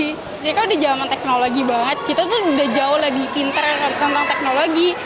jadi kan udah jaman teknologi banget kita tuh udah jauh lebih pintar tentang teknologi